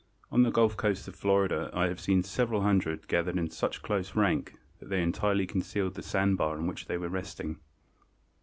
On the Gulf coast of Florida I have seen several hundred gathered in such close rank that they entirely concealed the sandbar on which they were resting."